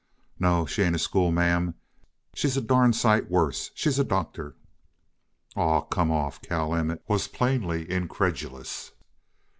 "No, she ain't a schoolma'am. She's a darn sight worse. She's a doctor." "Aw, come off!" Cal Emmett was plainly incredulous.